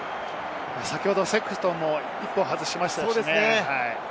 セクストンも１本外しましたしね。